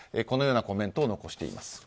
このようなコメントを残しています。